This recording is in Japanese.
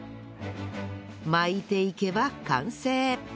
巻いていけば完成